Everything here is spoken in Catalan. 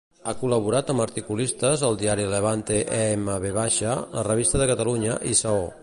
Ha col·laborat amb articulistes al diari Levante-EMV, la Revista de Catalunya i Saó.